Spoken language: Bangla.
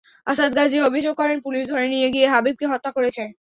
আসাদ গাজী অভিযোগ করেন, পুলিশ ধরে নিয়ে গিয়ে হাবিবকে হত্যা করেছে।